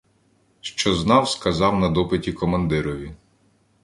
Що знав, сказав на допиті командирові.